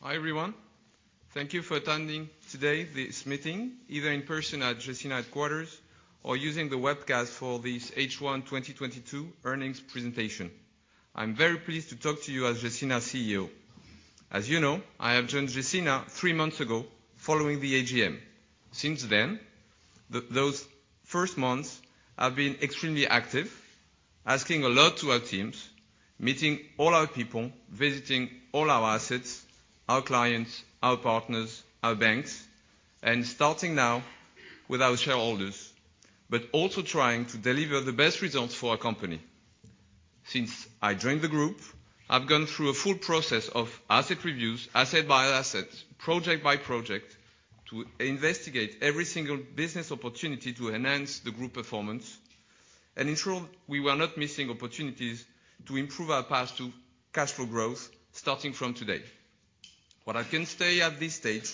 Hi, everyone. Thank you for attending today this meeting, either in person at Gecina headquarters or using the webcast for this H1 2022 earnings presentation. I'm very pleased to talk to you as Gecina's CEO. As you know, I have joined Gecina three months ago following the AGM. Since then, those first months have been extremely active, asking a lot to our teams, meeting all our people, visiting all our assets, our clients, our partners, our banks, and starting now with our shareholders, but also trying to deliver the best results for our company. Since I joined the group, I've gone through a full process of asset reviews, asset by asset, project by project, to investigate every single business opportunity to enhance the group performance. Ensure we were not missing opportunities to improve our path to cash flow growth starting from today. What I can say at this stage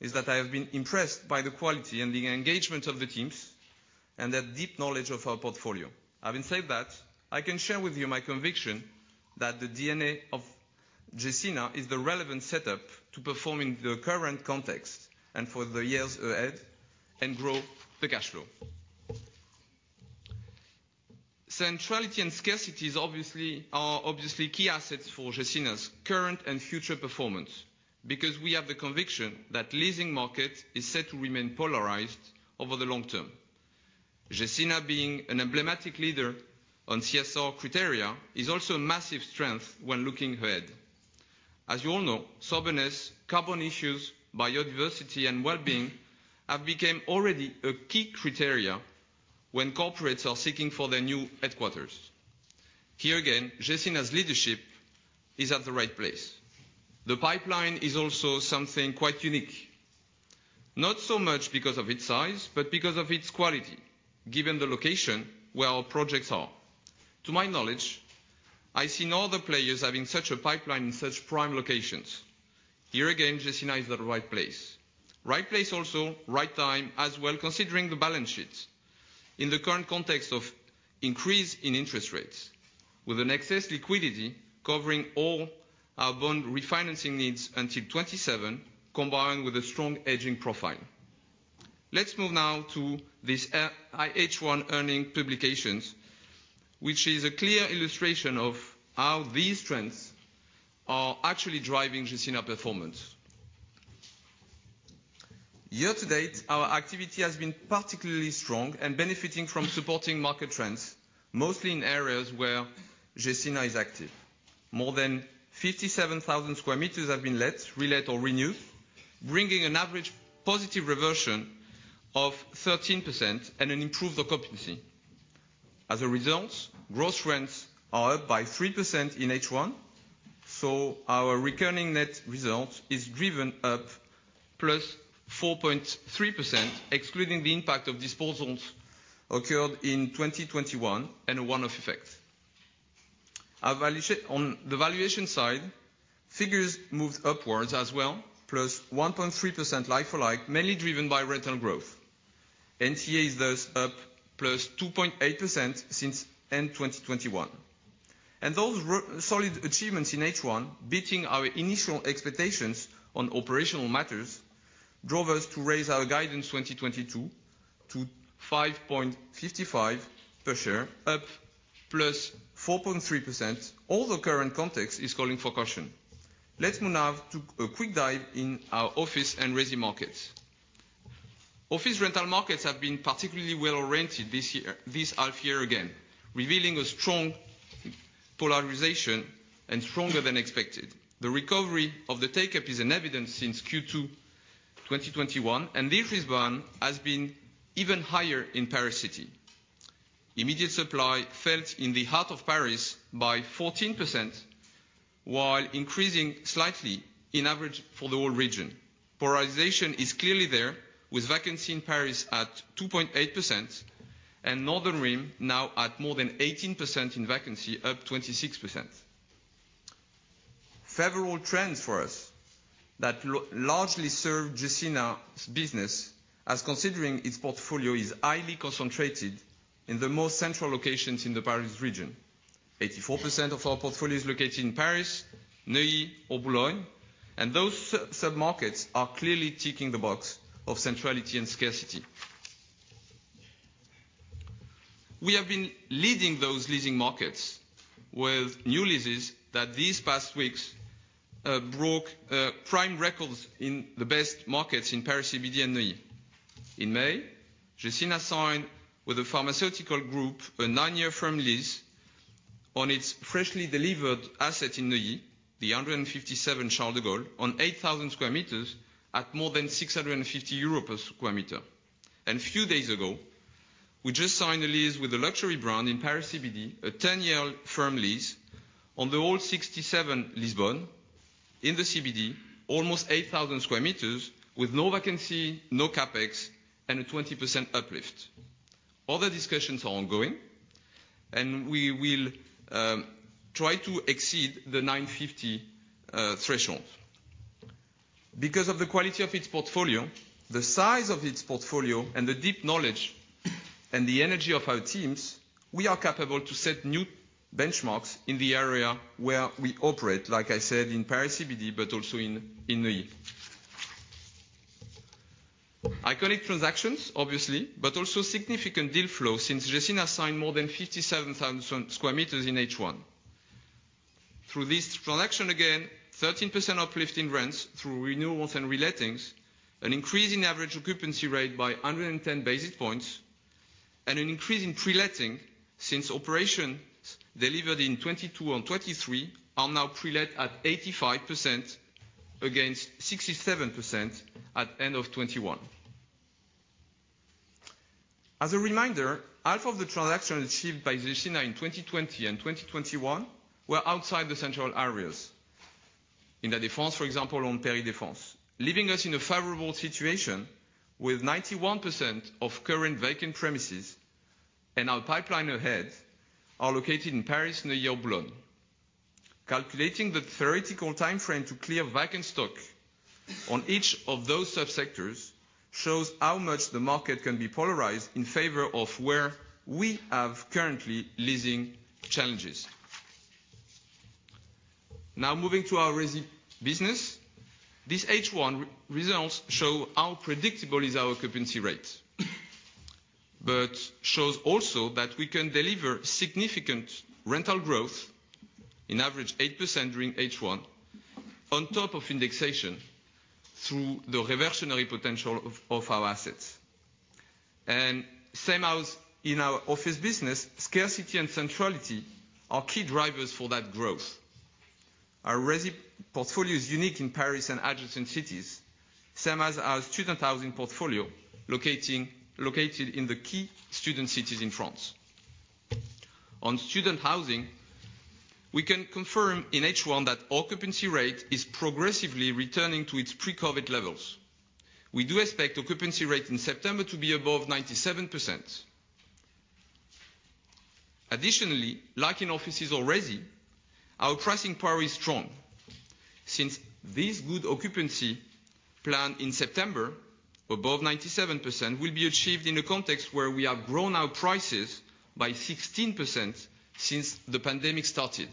is that I have been impressed by the quality and the engagement of the teams and their deep knowledge of our portfolio. Having said that, I can share with you my conviction that the DNA of Gecina is the relevant setup to perform in the current context and for the years ahead and grow the cash flow. Centrality and scarcity are obviously key assets for Gecina's current and future performance, because we have the conviction that leasing market is set to remain polarized over the long term. Gecina being an emblematic leader on CSR criteria is also a massive strength when looking ahead. As you all know, soberness, carbon issues, biodiversity, and well-being have became already a key criteria when corporates are seeking for their new headquarters. Here again, Gecina's leadership is at the right place. The pipeline is also something quite unique, not so much because of its size, but because of its quality, given the location where our projects are. To my knowledge, I see no other players having such a pipeline in such prime locations. Here again, Gecina is at the right place. Right place also, right time as well, considering the balance sheets. In the current context of increase in interest rates, with an excess liquidity covering all our bond refinancing needs until 2027, combined with a strong hedging profile. Let's move now to this, H1 earnings publications, which is a clear illustration of how these trends are actually driving Gecina performance. Year to date, our activity has been particularly strong and benefiting from supporting market trends, mostly in areas where Gecina is active. More than 57,000 sq m have been let, relet or renewed, bringing an average positive reversion of 13% and an improved occupancy. As a result, gross rents are up by 3% in H1, so our recurring net result is driven up +4.3%, excluding the impact of disposals occurred in 2021 and a one-off effect. On the valuation side, figures moved upwards as well, +1.3% like-for-like, mainly driven by rental growth. NTA is thus up +2.8% since end 2021. Those solid achievements in H1, beating our initial expectations on operational matters, drove us to raise our guidance 2022 to 5.55 per share, up +4.3%. All the current context is calling for caution. Let's move now to a quick dive in our Office and Resi markets. Office rental markets have been particularly well rented this year, this half year again, revealing a strong polarization and stronger than expected. The recovery of the take-up is in evidence since Q2 2021, and this rise has been even higher in Paris City. Immediate supply fell in the heart of Paris by 14%, while increasing slightly on average for the whole region. Polarization is clearly there, with vacancy in Paris at 2.8% and Northern Rim now at more than 18% in vacancy, up 26%. Favorable trends for us that largely serve Gecina's business considering its portfolio is highly concentrated in the most central locations in the Paris region. 84% of our portfolio is located in Paris, Neuilly or Boulogne, and those sub-markets are clearly ticking the box of centrality and scarcity. We have been leading those leasing markets with new leases that these past weeks broke prime records in the best markets in Paris CBD and Neuilly. In May, Gecina signed with a pharmaceutical group a nine-year firm lease on its freshly delivered asset in Neuilly, the 157 Charles de Gaulle on 8,000 sq m at more than 650 euros per sq m. Few days ago, we just signed a lease with a luxury brand in Paris CBD, a 10-year firm lease on the whole 67 Lisbonne in the CBD, almost 8,000 square meters with no vacancy, no CapEx, and a 20% uplift. Other discussions are ongoing, and we will try to exceed the 950 threshold. Because of the quality of its portfolio, the size of its portfolio, and the deep knowledge and the energy of our teams, we are capable to set new benchmarks in the area where we operate, like I said, in Paris CBD, but also in Neuilly. Iconic transactions, obviously, but also significant deal flow since Gecina signed more than 57,000 sq m in H1. Through this transaction, again, 13% uplift in rents through renewals and relettings, an increase in average occupancy rate by 110 basis points, and an increase in pre-letting since operations delivered in 2022 and 2023 are now pre-let at 85% against 67% at end of 2021. As a reminder, half of the transactions achieved by Gecina in 2020 and 2021 were outside the central areas. In La Défense, for example, on Paris La Défense, leaving us in a favorable situation with 91% of current vacant premises and our pipeline ahead are located in Paris and the Levallois. Calculating the theoretical timeframe to clear vacant stock on each of those subsectors shows how much the market can be polarized in favor of where we have currently leasing challenges. Now moving to our Resi business. These H1 results show how predictable is our occupancy rate. Shows also that we can deliver significant rental growth, on average 8% during H1, on top of indexation through the reversionary potential of our assets. Same as in our Office business, scarcity and centrality are key drivers for that growth. Our Resi portfolio is unique in Paris and adjacent cities, same as our student housing portfolio, located in the key student cities in France. On student housing, we can confirm in H1 that occupancy rate is progressively returning to its pre-COVID levels. We do expect occupancy rate in September to be above 97%. Additionally, like in offices or resi, our pricing power is strong. Since this good occupancy plan in September above 97% will be achieved in a context where we have grown our prices by 16% since the pandemic started.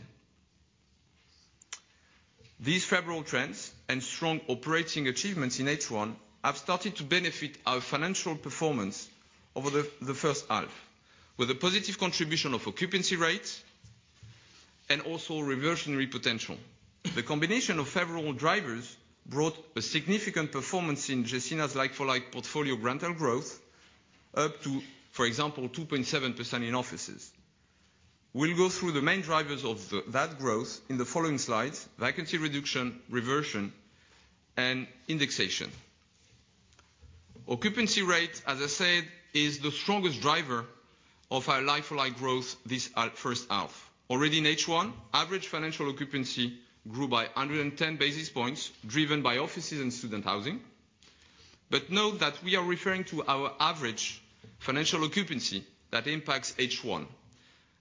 These favorable trends and strong operating achievements in H1 have started to benefit our financial performance over the first half, with a positive contribution of occupancy rates and also reversionary potential. The combination of favorable drivers brought a significant performance in Gecina's like-for-like portfolio rental growth up to, for example, 2.7% in offices. We'll go through the main drivers of that growth in the following slides, vacancy reduction, reversion, and indexation. Occupancy rate, as I said, is the strongest driver of our like-for-like growth this half, first half. Already in H1, average financial occupancy grew by 110 basis points driven by offices and student housing. Note that we are referring to our average financial occupancy that impacts H1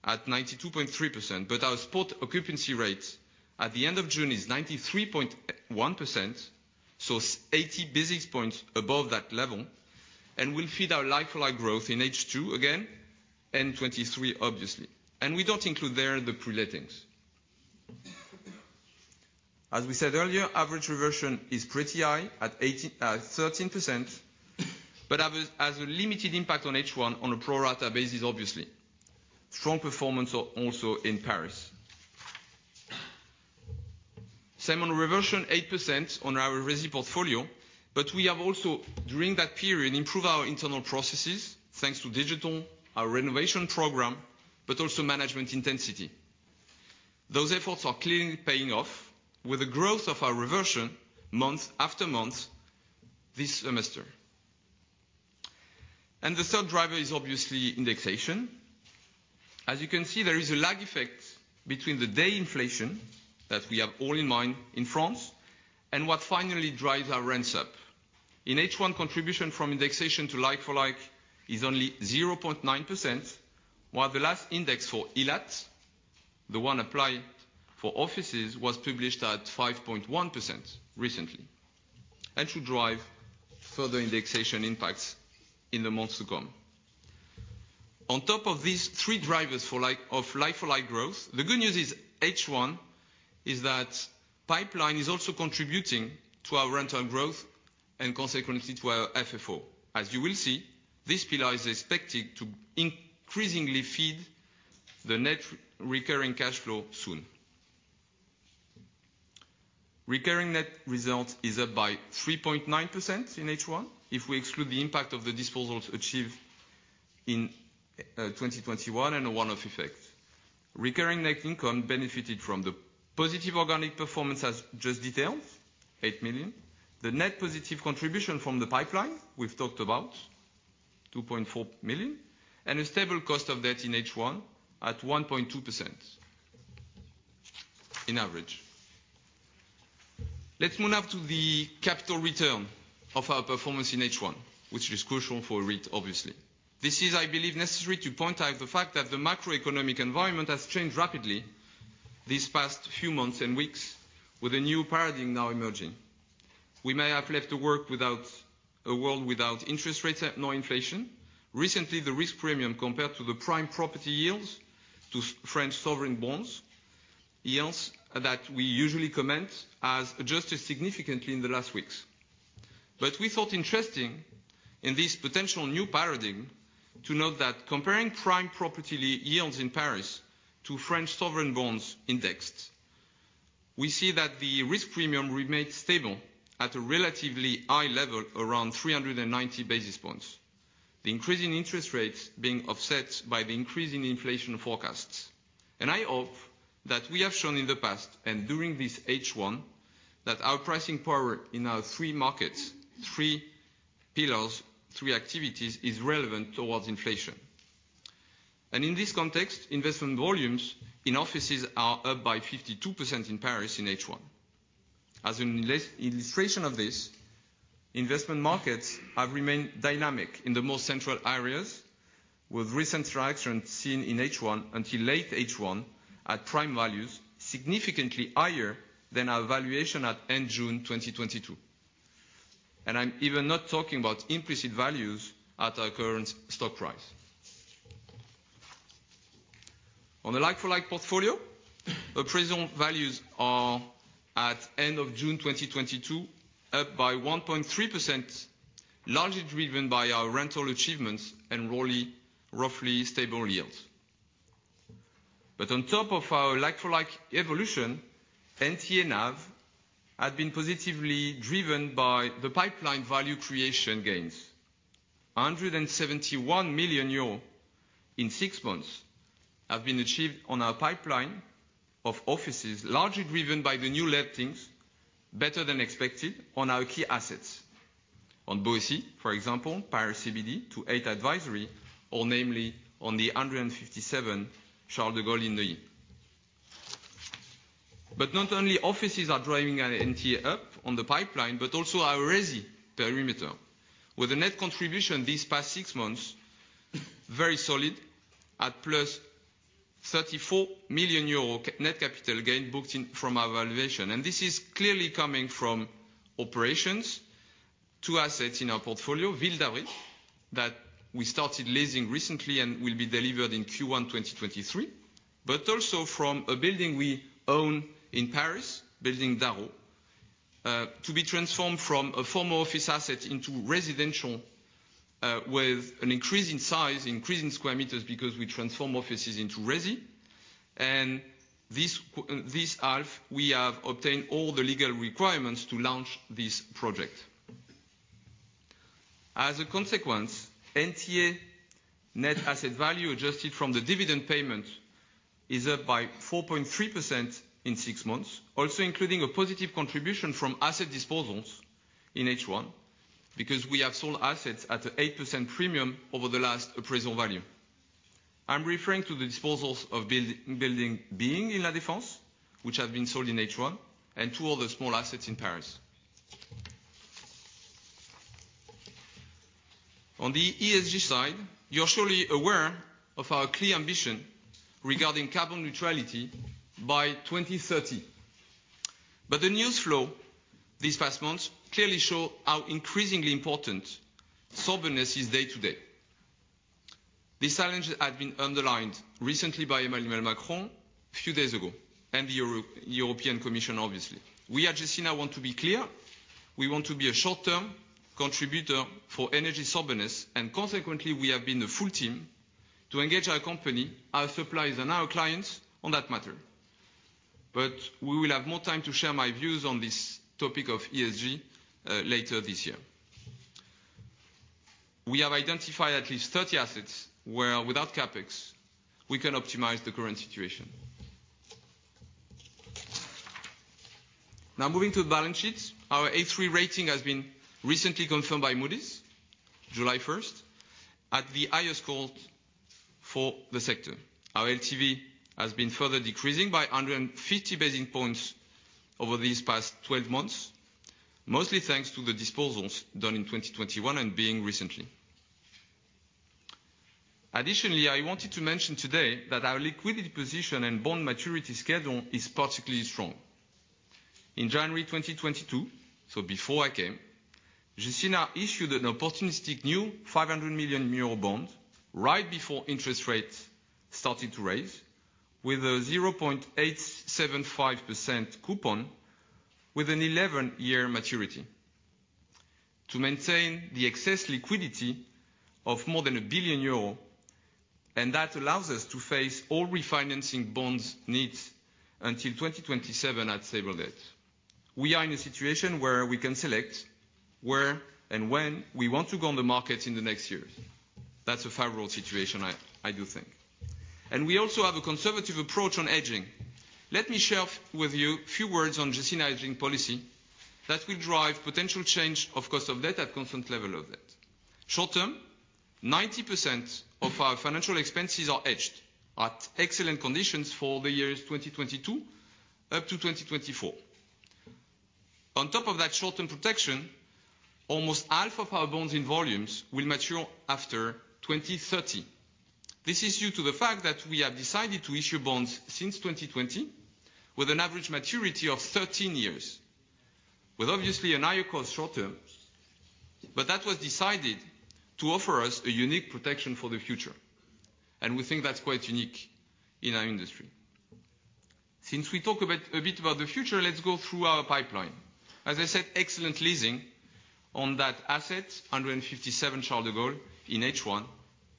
at 92.3%, but our spot occupancy rate at the end of June is 93.1%, so eighty basis points above that level, and will feed our like-for-like growth in H2 again and 2023, obviously. We don't include there the pre-lettings. As we said earlier, average reversion is pretty high at 13%, but has a limited impact on H1 on a pro rata basis, obviously. Strong performance also in Paris. Same on reversion, 8% on our Resi portfolio, but we have also, during that period, improved our internal processes, thanks to digital, our renovation program, but also management intensity. Those efforts are clearly paying off with the growth of our reversion month after month this semester. The third driver is obviously indexation. As you can see, there is a lag effect between the day inflation that we have all in mind in France, and what finally drives our rents up. In H1, contribution from indexation to like-for-like is only 0.9%, while the last index for ILAT, the one applied for offices, was published at 5.1% recently, and should drive further indexation impacts in the months to come. On top of these three drivers for like-for-like growth, the good news in H1 is that pipeline is also contributing to our rental growth and consequently to our FFO. As you will see, this pillar is expected to increasingly feed the net recurring cash flow soon. Recurring net results is up by 3.9% in H1 if we exclude the impact of the disposals achieved in 2021 and a one-off effect. Recurring net income benefited from the positive organic performance as just detailed, 8 million. The net positive contribution from the pipeline, we've talked about, 2.4 million, and a stable cost of debt in H1 at 1.2% in average. Let's move now to the capital return of our performance in H1, which is crucial for REIT, obviously. This is, I believe, necessary to point out the fact that the macroeconomic environment has changed rapidly. These past few months and weeks, with a new paradigm now emerging. We may have left the world without interest rates and no inflation. Recently, the risk premium, compared to the prime property yields to French sovereign bonds, yields that we usually comment on, has adjusted significantly in the last weeks. We thought it interesting in this potential new paradigm, to note that comparing prime property yields in Paris to French sovereign bonds, indexed, we see that the risk premium remains stable at a relatively high level around 390 basis points. The increase in interest rates being offset by the increase in inflation forecasts. I hope that we have shown in the past and during this H1, that our pricing power in our three markets, three pillars, three activities, is relevant towards inflation. In this context, investment volumes in offices are up by 52% in Paris in H1. As an illustration of this, investment markets have remained dynamic in the most central areas, with recent traction seen in H1 until late H1 at prime values significantly higher than our valuation at end June 2022. I'm even not talking about implicit values at our current stock price. On a like-for-like portfolio, appraisal values are, at end of June 2022, up by 1.3%, largely driven by our rental achievements and roughly stable yields. On top of our like-for-like evolution, NTA NAV had been positively driven by the pipeline value creation gains. 171 million euros in six months have been achieved on our pipeline of offices, largely driven by the new lettings better than expected on our key assets. On Boétie, for example, Paris CBD to Eight Advisory, or namely on the 157 Charles de Gaulle in Neuilly. Not only offices are driving our NTA up on the pipeline, but also our Resi perimeter. With a net contribution these past six months, very solid at +34 million euro net capital gain booked in from our valuation. This is clearly coming from operations to assets in our portfolio, Ville d'Avray, that we started leasing recently and will be delivered in Q1 2023. Also from a building we own in Paris, Résidence Dareau, to be transformed from a former office asset into residential, with an increase in size, increase in square meters because we transform offices into resi. This half, we have obtained all the legal requirements to launch this project. As a consequence, NTA net asset value adjusted from the dividend payment is up by 4.3% in six months, also including a positive contribution from asset disposals in H1 because we have sold assets at 8% premium over the last appraisal value. I'm referring to the disposals of building being in La Défense, which have been sold in H1 and two other small assets in Paris. On the ESG side, you're surely aware of our clear ambition regarding carbon neutrality by 2030. The news flow these past months clearly show how increasingly important soberness is day to day. This challenge has been underlined recently by Emmanuel Macron a few days ago, and the European Commission, obviously. We at Gecina want to be clear, we want to be a short-term contributor for energy soberness, and consequently, we have been the full team to engage our company, our suppliers, and our clients on that matter. We will have more time to share my views on this topic of ESG later this year. We have identified at least 30 assets where without CapEx, we can optimize the current situation. Now moving to the balance sheet. Our A3 rating has been recently confirmed by Moody's, July first, at the highest quote for the sector. Our LTV has been further decreasing by 150 basis points over these past 12 months, mostly thanks to the disposals done in 2021 and being recently. Additionally, I wanted to mention today that our liquidity position and bond maturity schedule is particularly strong. In January 2022, so before I came, Gecina issued an opportunistic new 500 million euro bond right before interest rates started to rise with a 0.875% coupon with an 11-year maturity. To maintain the excess liquidity of more than 1 billion euro, and that allows us to face all refinancing bonds needs until 2027 at stable debt. We are in a situation where we can select where and when we want to go on the market in the next years. That's a favorable situation, I do think. We also have a conservative approach on hedging. Let me share with you a few words on Gecina hedging policy that will drive potential change of cost of debt at constant level of debt. Short term, 90% of our financial expenses are hedged at excellent conditions for the years 2022 up to 2024. On top of that short-term protection, almost half of our bonds in volumes will mature after 2030. This is due to the fact that we have decided to issue bonds since 2020 with an average maturity of 13 years, with obviously a higher cost short term. That was decided to offer us a unique protection for the future, and we think that's quite unique in our industry. Since we talk a bit about the future, let's go through our pipeline. As I said, excellent leasing on that asset, 157 Charles de Gaulle in H1,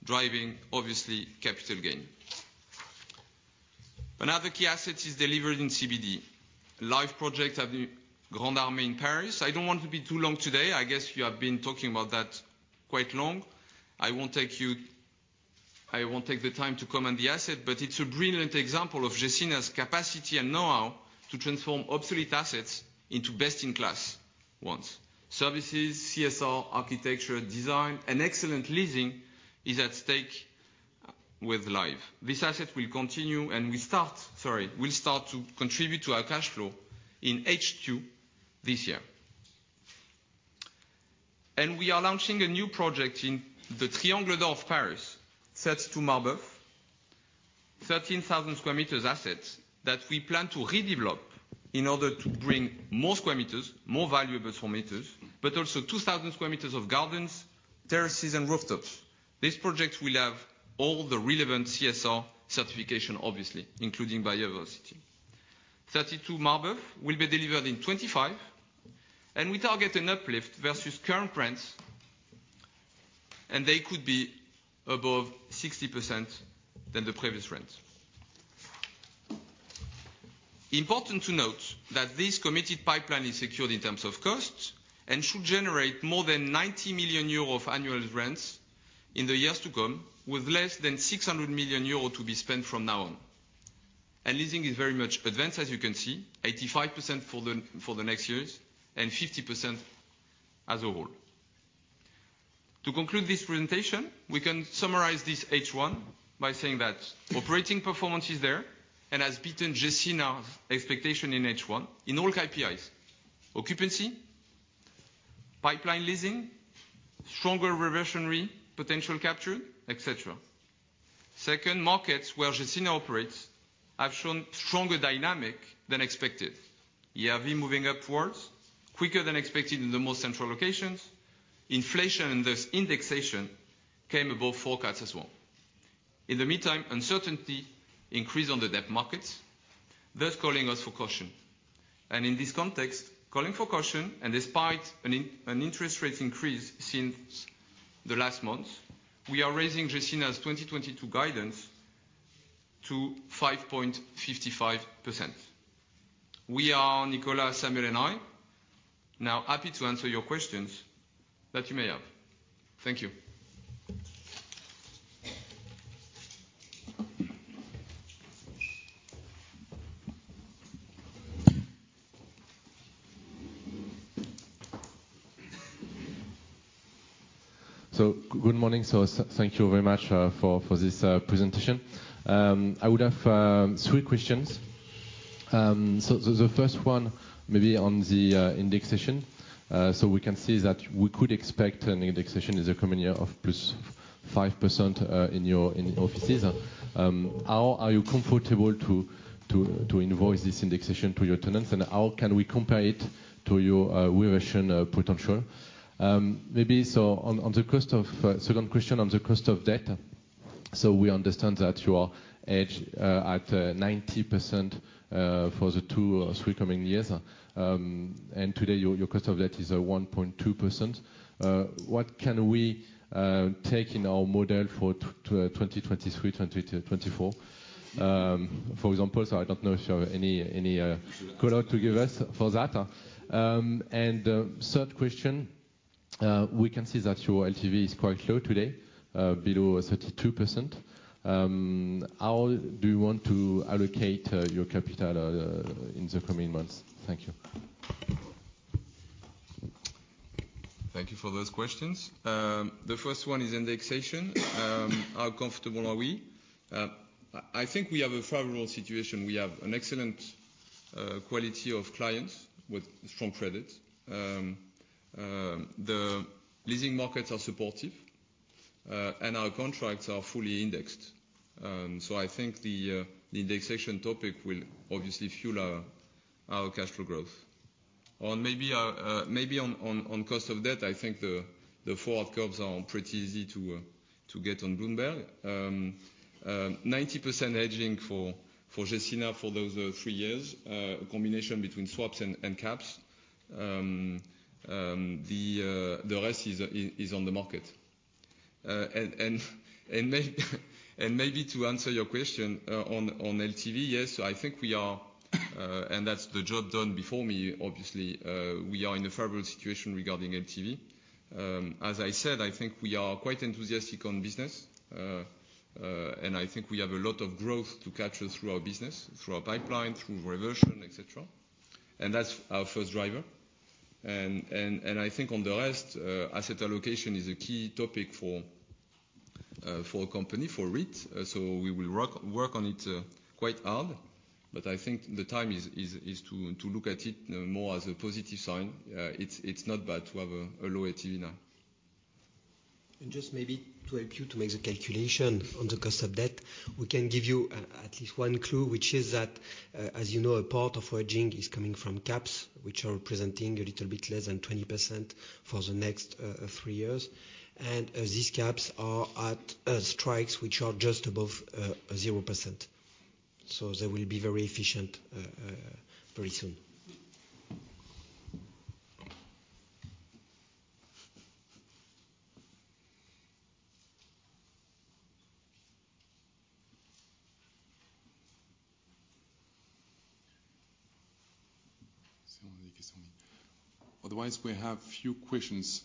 driving obviously capital gain. Another key asset is delivered in CBD. l1ve project Avenue de la Grande Armée in Paris. I don't want to be too long today. I guess you have been talking about that quite long. I won't take the time to comment the asset, but it's a brilliant example of Gecina's capacity and know-how to transform obsolete assets into best-in-class ones. Services, CSR, architecture, design, and excellent leasing is at stake with l1ve. This asset will continue, and we'll start to contribute to our cash flow in H2 this year. We are launching a new project in the Triangle d'Or of Paris, 32 Marbeuf. 13,000 sq m assets that we plan to redevelop in order to bring more square meters, more valuable square meters, but also 2,000 sq m of gardens, terraces, and rooftops. This project will have all the relevant CSR certification obviously, including biodiversity. 32 Marbeuf will be delivered in 2025, and we target an uplift versus current rents, and they could be above 60% than the previous rent. Important to note that this committed pipeline is secured in terms of costs and should generate more than 90 million euros of annual rents in the years to come, with less than 600 million euros to be spent from now on. Leasing is very much advanced, as you can see, 85% for the next years and 50% as a whole. To conclude this presentation, we can summarize this H1 by saying that operating performance is there and has beaten Gecina's expectation in H1 in all KPIs. Occupancy, pipeline leasing, stronger reversionary potential capture, et cetera. Second, markets where Gecina operates have shown stronger dynamics than expected. ERV moving upwards quicker than expected in the more central locations. Inflation and thus indexation came above forecasts as well. In the meantime, uncertainty increased on the debt markets, thus calling for caution. In this context, calling for caution and despite an interest rate increase since the last month, we are raising Gecina's 2022 guidance to 5.55%. We are, Nicolas, Samuel, and I, now happy to answer your questions that you may have. Thank you. Good morning. Thank you very much for this presentation. I would have three questions. The first one maybe on the indexation. We can see that we could expect an indexation in the coming year of +5% in your offices. How are you comfortable to invoice this indexation to your tenants? And how can we compare it to your reversion potential? Maybe on the cost of debt. Second question on the cost of debt. We understand that you are hedged at 90% for the two or three coming years. And today your cost of debt is 1.2%. What can we take in our model for 2023, 2024, for example? I don't know if you have any color to give us for that. Third question, we can see that your LTV is quite low today, below 32%. How do you want to allocate your capital in the coming months? Thank you. Thank you for those questions. The first one is indexation. How comfortable are we? I think we have a favorable situation. We have an excellent quality of clients with strong credit. The leasing markets are supportive, and our contracts are fully indexed. I think the indexation topic will obviously fuel our cash flow growth. On cost of debt, I think the forward curves are pretty easy to get on Bloomberg. 90% hedging for Gecina for those three years, a combination between swaps and caps. The rest is on the market. Maybe to answer your question on LTV, yes, I think we are, and that's the job done before me, obviously, we are in a favorable situation regarding LTV. As I said, I think we are quite enthusiastic on business. I think we have a lot of growth to capture through our business, through our pipeline, through reversion, et cetera. That's our first driver. I think on the rest, asset allocation is a key topic for a company, for REIT, we will work on it quite hard, but I think the time is to look at it more as a positive sign. It's not bad to have a low LTV now. Just maybe to help you to make the calculation on the cost of debt, we can give you at least one clue, which is that, as you know, a part of hedging is coming from caps, which are presenting a little bit less than 20% for the next three years. These caps are at strikes which are just above 0%. They will be very efficient very soon. Otherwise, we have few questions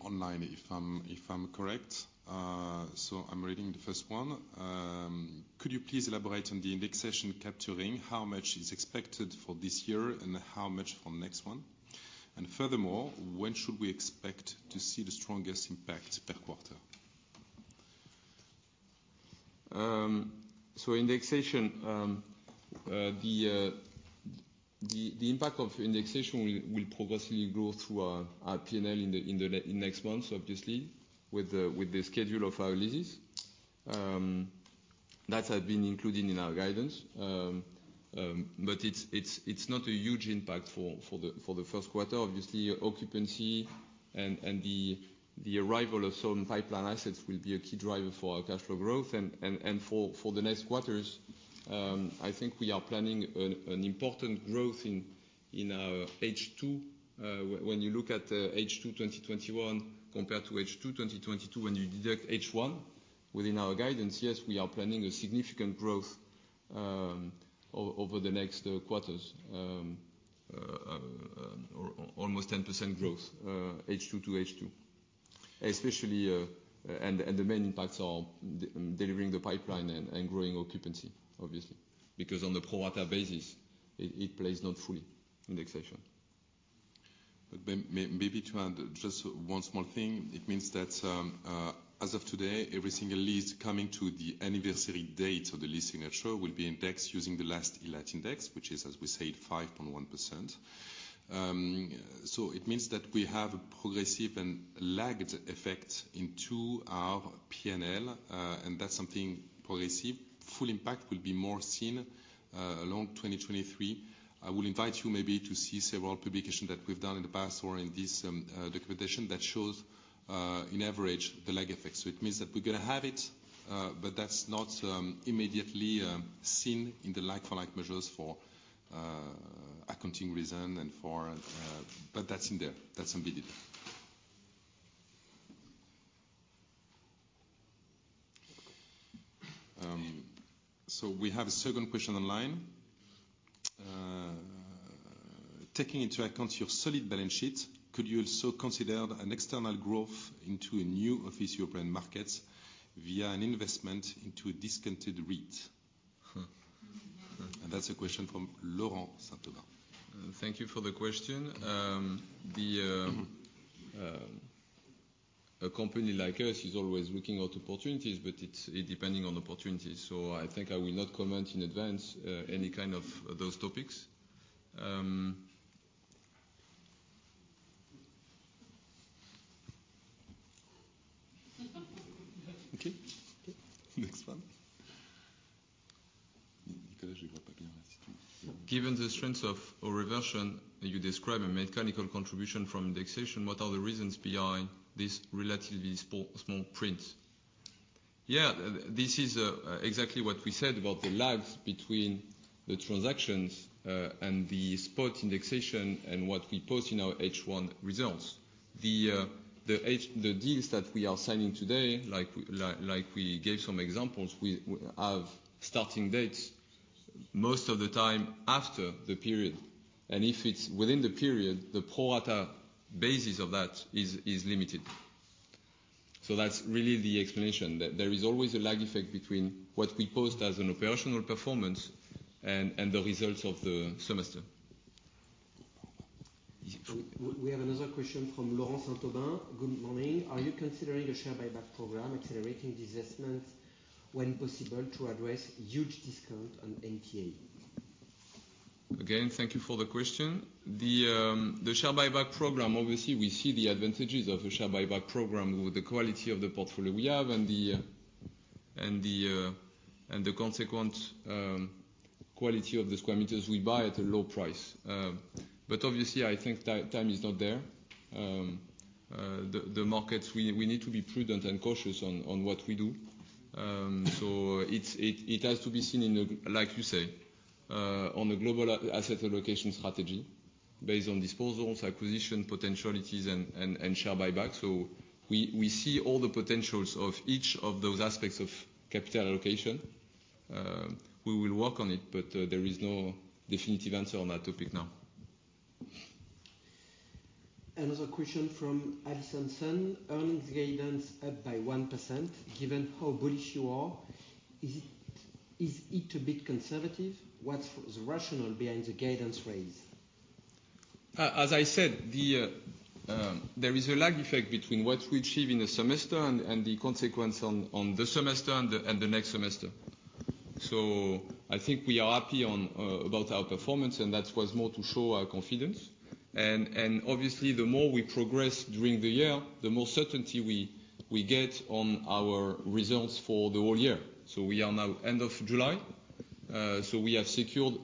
online, if I'm correct. I'm reading the first one. Could you please elaborate on the indexation capturing, how much is expected for this year and how much for next one? Furthermore, when should we expect to see the strongest impact per quarter? Indexation, the impact of indexation will progressively grow through our P&L in the next months, obviously, with the schedule of our leases. That had been included in our guidance. It's not a huge impact for the first quarter. Obviously, occupancy and the arrival of some pipeline assets will be a key driver for our cash flow growth and for the next quarters. I think we are planning an important growth in our H2. When you look at H2 2021 compared to H2 2022, when you deduct H1 within our guidance, yes, we are planning a significant growth over the next quarters. Almost 10% growth, H2 to H2. Especially, the main impacts are delivering the pipeline and growing occupancy, obviously, because on the pro rata basis, it plays not fully indexation. Maybe to add just one small thing, it means that, as of today, every single lease coming to the anniversary date of the lease signature will be indexed using the last ILAT index, which is, as we said, 5.1%. It means that we have a progressive and lagged effect into our P&L, and that's something progressive. Full impact will be more seen along 2023. I will invite you maybe to see several publications that we've done in the past or in this recommendation that shows on average the lag effect. It means that we're gonna have it, but that's not immediately seen in the like-for-like measures for accounting reason and for. That's in there. That's embedded. We have a second question online. Taking into account your solid balance sheet, could you also consider an external growth into a new office European markets via an investment into a discounted REIT? That's a question from Laurent Saint-Aubin. Thank you for the question. A company like us is always looking out opportunities, but it's depending on opportunities. I think I will not comment in advance, any kind of those topics. Okay. Next one. Given the strength of a reversion, you describe a mechanical contribution from indexation, what are the reasons behind this relatively small print? This is exactly what we said about the lags between the transactions and the spot indexation and what we post in our H1 results. The deals that we are signing today, like we gave some examples, we have starting dates most of the time after the period. If it's within the period, the pro rata basis of that is limited. That's really the explanation. There is always a lag effect between what we post as an operational performance and the results of the semester. We have another question from Laurent Saint-Aubin. Good morning. Are you considering a share buyback program, accelerating divestments when possible to address huge discount on NTA? Again, thank you for the question. The share buyback program, obviously, we see the advantages of a share buyback program with the quality of the portfolio we have and the consequent quality of the square meters we buy at a low price. Obviously, I think time is not there. The markets, we need to be prudent and cautious on what we do. It has to be seen in a, like you say, on a global asset allocation strategy based on disposals, acquisition, potentialities, and share buyback. We see all the potentials of each of those aspects of capital allocation. We will work on it, but there is no definitive answer on that topic now. Another question from Amal Aboulkhouatem. Earnings guidance up by 1%, given how bullish you are, is it a bit conservative? What's the rationale behind the guidance raise? As I said, there is a lag effect between what we achieve in a semester and the consequence on the semester and the next semester. I think we are happy about our performance, and that was more to show our confidence. Obviously, the more we progress during the year, the more certainty we get on our results for the whole year. We are now at the end of July, so we have secured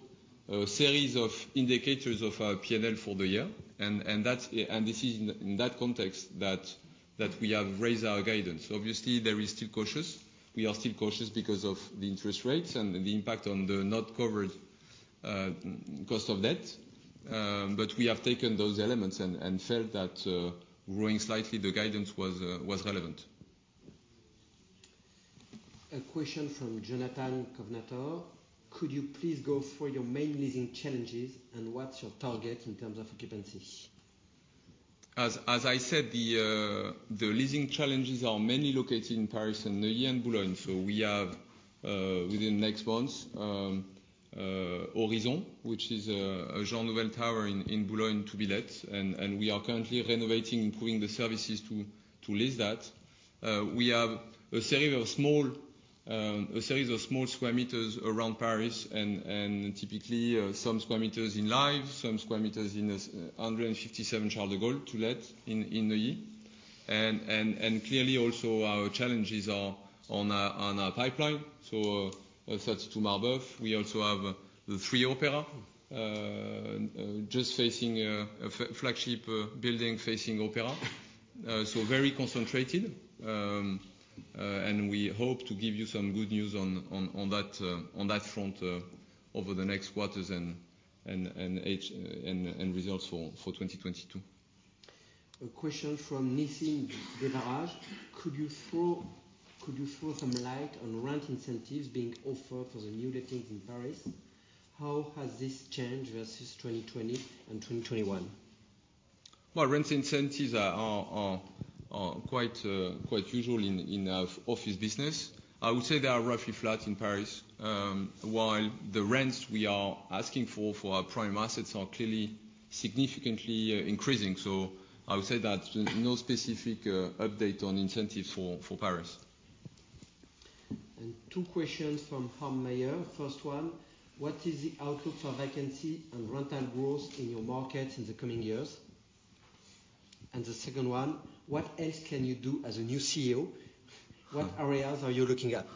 a series of indicators of our P&L for the year. This is in that context that we have raised our guidance. Obviously, there is still caution. We are still cautious because of the interest rates and the impact on the uncovered cost of debt. We have taken those elements and felt that growing slightly the guidance was relevant. A question from Jonathan Kownator. Could you please go through your main leasing challenges, and what's your target in terms of occupancy? As I said, the leasing challenges are mainly located in Paris in Neuilly and Boulogne. We have within the next months Horizons, which is a Jean Nouvel tower in Boulogne to be let. We are currently renovating, improving the services to lease that. We have a series of small square meters around Paris and typically some square meters in l1ve, some square meters in the 157 Charles de Gaulle to let in Neuilly. Clearly also our challenges are on our pipeline. Aside to Marbeuf we also have the 3 Opéra just facing a flagship building facing Opéra, so very concentrated. We hope to give you some good news on that front over the next quarters and results for 2022. A question from Nassim Devaraj. Could you throw some light on rent incentives being offered for the new lettings in Paris? How has this changed versus 2020 and 2021? Well, rent incentives are quite usual in our Office business. I would say they are roughly flat in Paris. While the rents we are asking for our prime assets are clearly significantly increasing. I would say that no specific update on incentives for Paris. Two questions from Harm Meijer. First one, what is the outlook for vacancy and rental growth in your markets in the coming years? The second one, what else can you do as a new CEO? What areas are you looking at?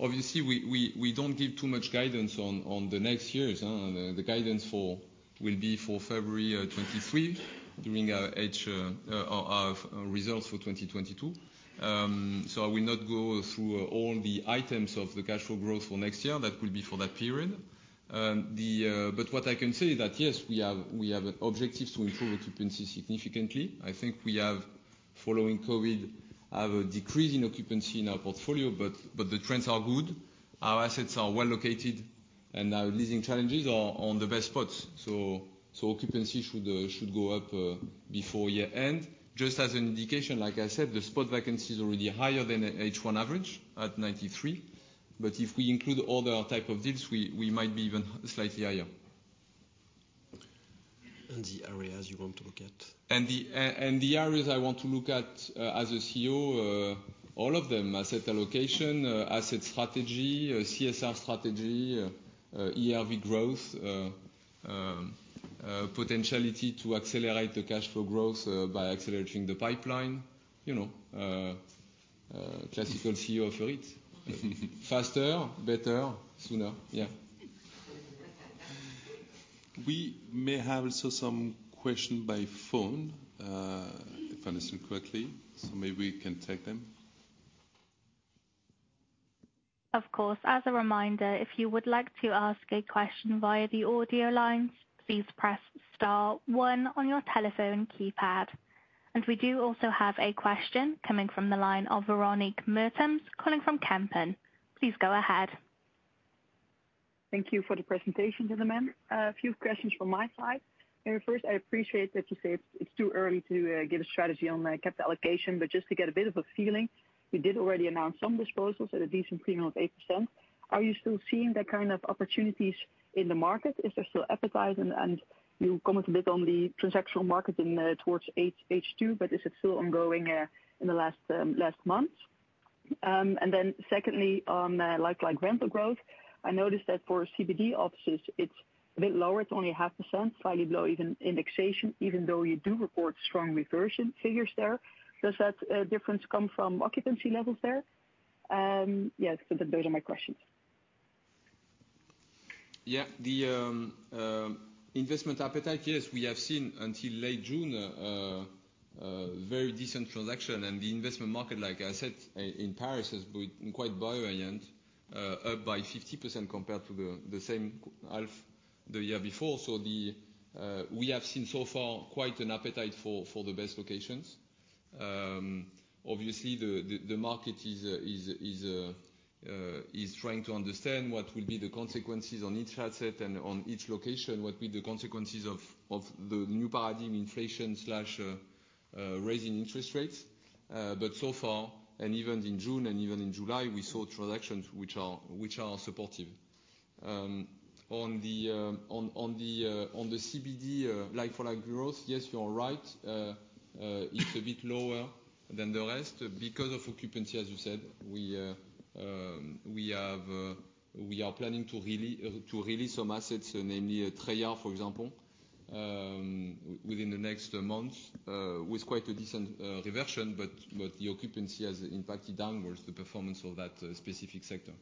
Obviously, we don't give too much guidance on the next years, huh? The guidance will be for February 2023, during our H2 results for 2022. I will not go through all the items of the cash flow growth for next year. That will be for that period. What I can say is that, yes, we have objectives to improve occupancy significantly. I think we have, following COVID, a decrease in occupancy in our portfolio, but the trends are good, our assets are well located, and our leasing challenges are on the best spots. Occupancy should go up before year-end. Just as an indication, like I said, the spot vacancy is already higher than H1 average at 93%, but if we include all the type of deals, we might be even slightly higher. The areas you want to look at? The areas I want to look at, as a CEO, all of them. Asset allocation, asset strategy, CSR strategy, ERV growth, potentiality to accelerate the cash flow growth by accelerating the pipeline. You know, classical CEO for it. Faster, better, sooner, yeah. We may have also some question by phone, if I understand correctly, so maybe we can take them. Of course. As a reminder, if you would like to ask a question via the audio line, please press star one on your telephone keypad. We do also have a question coming from the line of Véronique Meertens, calling from Kempen. Please go ahead. Thank you for the presentation, gentlemen. A few questions from my side. Very first, I appreciate that you say it's too early to give a strategy on the capital allocation, but just to get a bit of a feeling, you did already announce some disposals at a decent premium of 8%. Are you still seeing the kind of opportunities in the market? Is there still appetite? You comment a bit on the transactional market towards H2, but is it still ongoing in the last month? Secondly, on like-for-like rental growth, I noticed that for CBD offices it's a bit lower. It's only 0.5%, slightly below even indexation, even though you do report strong reversion figures there. Does that difference come from occupancy levels there? Yes, so those are my questions. Yeah. The investment appetite, yes, we have seen until late June a very decent transaction. The investment market, like I said, in Paris, has been quite buoyant, up by 50% compared to the same half the year before. We have seen so far quite an appetite for the best locations. Obviously the market is trying to understand what will be the consequences on each asset and on each location, what will the consequences of the new paradigm inflation slash rising interest rates. But so far, and even in June and even in July, we saw transactions which are supportive. On the CBD, like-for-like growth, yes, you're right. It's a bit lower than the rest because of occupancy as you said. We are planning to relet some assets, namely Triangle, for example, within the next months, with quite a decent reversion, but the occupancy has impacted downwards the performance of that specific sector.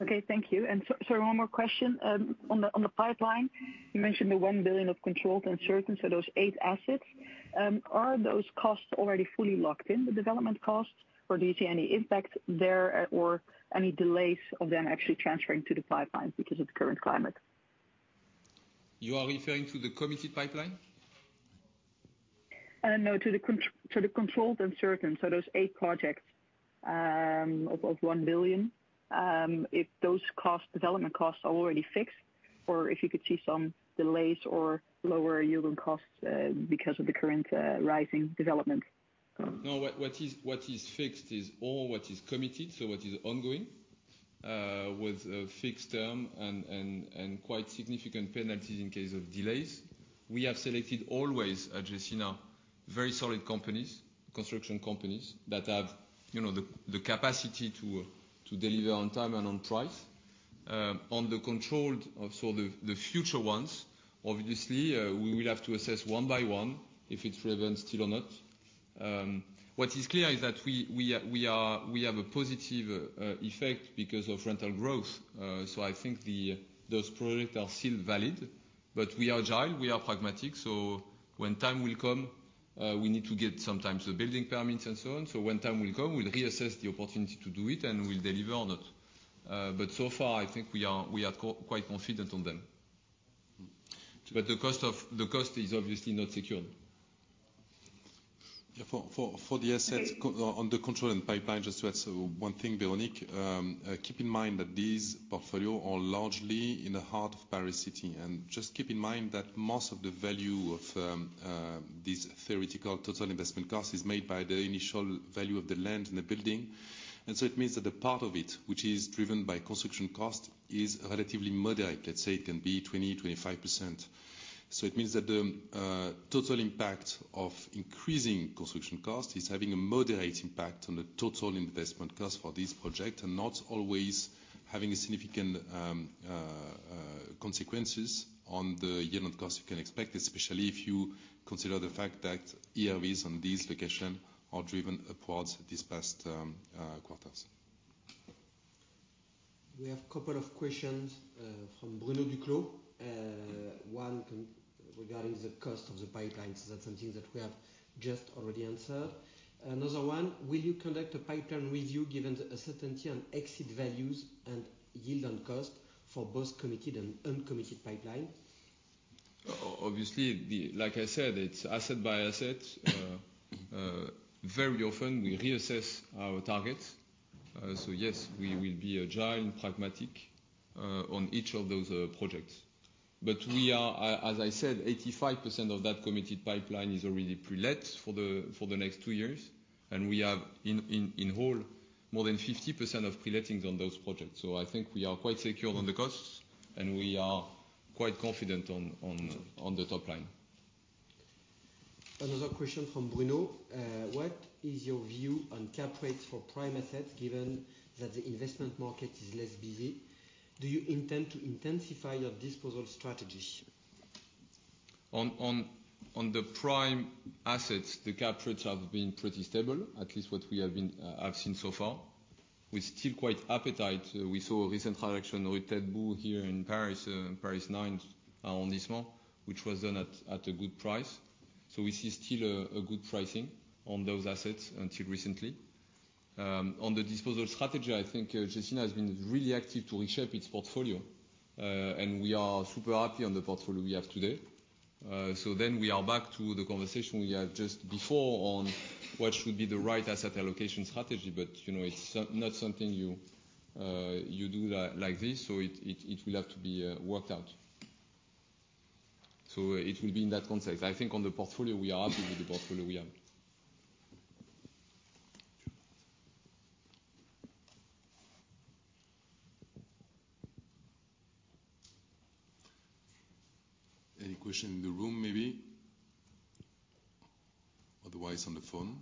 Okay, thank you. Sorry, one more question. On the pipeline, you mentioned the 1 billion of controlled and certain, so those eight assets. Are those costs already fully locked in the development costs, or do you see any impact there or any delays of them actually transferring to the pipelines because of the current climate? You are referring to the committed pipeline? No, to the controlled and certain. Those eight projects of 1 billion. If those costs, development costs are already fixed or if you could see some delays or lower yield on costs, because of the current rising development. No, what is fixed is all what is committed, so what is ongoing, with a fixed term and quite significant penalties in case of delays. We have selected always, at Gecina, very solid companies, construction companies that have, you know, the capacity to deliver on time and on price. On the control of sort of the future ones, obviously, we will have to assess one by one if it's relevant still or not. What is clear is that we have a positive effect because of rental growth. I think those products are still valid, but we are agile, we are pragmatic, so when time will come, we need to get sometimes the building permits and so on. When time will come, we'll reassess the opportunity to do it, and we'll deliver on it. So far, I think we are quite confident on them. The cost is obviously not secured. For the assets in the portfolio and pipeline, just to add one thing, Véronique, keep in mind that these portfolio are largely in the heart of Paris City. Just keep in mind that most of the value of this theoretical total investment cost is made by the initial value of the land and the building. It means that the part of it, which is driven by construction cost, is relatively moderate. Let's say it can be 20%-25%. It means that the total impact of increasing construction cost is having a moderate impact on the total investment cost for this project, and not always having significant consequences on the yield on cost you can expect, especially if you consider the fact that ERVs on this location are driven upwards these past quarters. We have a couple of questions from Bruno Duclos. One regarding the cost of the pipelines. Is that something that we have just already answered? Another one, will you conduct a pipeline review given the uncertainty on exit values and yield on cost for both committed and uncommitted pipeline? Obviously, like I said, it's asset by asset. Very often we reassess our targets. Yes, we will be agile and pragmatic on each of those projects. As I said, 85% of that committed pipeline is already prelet for the next two years, and we have in whole more than 50% of prelettings on those projects. I think we are quite secure on the costs, and we are quite confident on the top line. Another question from Bruno. What is your view on cap rates for prime assets, given that the investment market is less busy? Do you intend to intensify your disposal strategies? On the prime assets, the cap rates have been pretty stable, at least what I've seen so far. With still quite an appetite, we saw a recent transaction with Taddéi here in Paris, 9th on this month, which was done at a good price. We see still a good pricing on those assets until recently. On the disposal strategy, I think Gecina has been really active to reshape its portfolio, and we are super happy with the portfolio we have today. We are back to the conversation we had just before on what should be the right asset allocation strategy, but you know, it's so not something you do like this, so it will have to be worked out. It will be in that context. I think on the portfolio, we are happy with the portfolio we have. Any question in the room, maybe? Otherwise on the phone.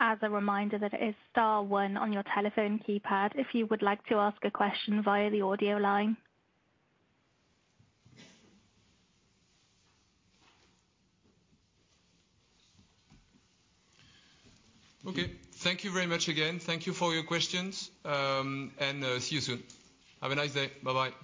As a reminder that it is star one on your telephone keypad, if you would like to ask a question via the audio line. Okay. Thank you very much again. Thank you for your questions, and see you soon. Have a nice day. Bye-bye.